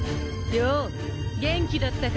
よぉ元気だったか？